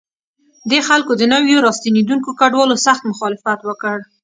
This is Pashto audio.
دې خلکو د نویو راستنېدونکو کډوالو سخت مخالفت وکړ.